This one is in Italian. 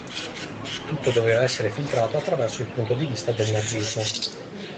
Tutto doveva essere filtrato attraverso il punto di vista del nazismo.